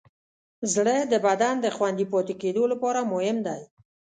زړه د بدن د خوندي پاتې کېدو لپاره مهم دی.